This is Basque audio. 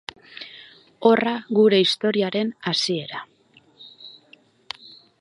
Horra gure historiaren hasiera.